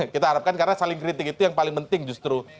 kita harapkan karena saling kritik itu yang paling penting justru